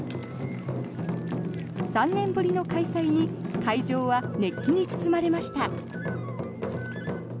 ３年ぶりの開催に会場は熱気に包まれました。